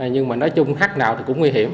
nhưng mà nói chung khách nào thì cũng nguy hiểm